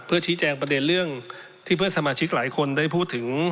ชี้แจงประเด็นเรื่องที่เพื่อนสมาชิกหลายคนได้พูดถึง